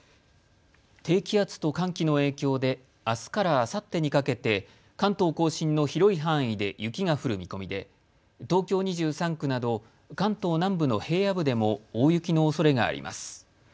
低気圧と寒気の影響であすからあさってにかけて関東甲信の広い範囲で雪が降る見込みで東京２３区など関東南部の平野部でも大雪のおそれがあります。